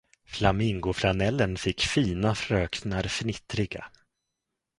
Flamingoflanellen fick fina fröknar fnittriga.